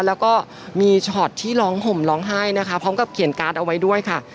แล้วก็มีช็อตที่ร้องห่มร้องไห้นะคะพร้อมกับเขียนการ์ดเอาไว้ด้วยค่ะ